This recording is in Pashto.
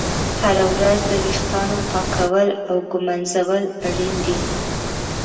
هره ورځ د ویښتانو پاکول او ږمنځول اړین دي.